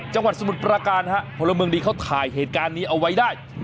สมุทรประการฮะพลเมืองดีเขาถ่ายเหตุการณ์นี้เอาไว้ได้